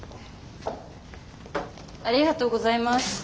ありがとうございます。